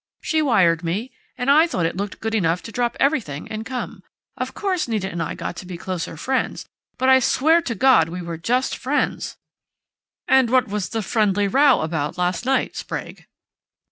She wired me and I thought it looked good enough to drop everything and come.... Of course Nita and I got to be closer friends, but I swear to God we were just friends " "And what was the 'friendly' row about last night, Sprague?"